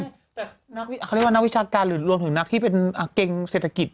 เขาเรียกว่านักวิชาการหรือรวมถึงนักที่เป็นเกงเศรษฐกิจ